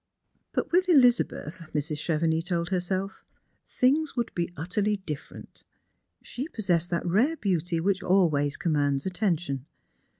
But with Elizabeth, Mrs. Chevenix told herself, things would be uttei'ly different. She possessed that rare beauty which always commands attention.